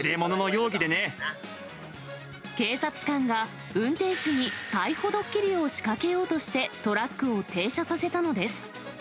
警察官が運転手に逮捕ドッキリを仕掛けようとして、トラックを停車させたのです。